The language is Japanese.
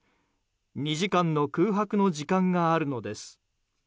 ２時間の空白の時間があるのです。